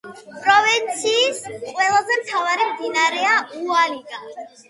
პროვინციის ყველაზე მთავარი მდინარეა უალიაგა.